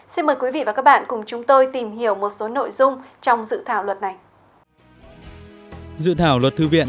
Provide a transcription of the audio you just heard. xin mời quý vị và các bạn cùng chúng tôi tìm hiểu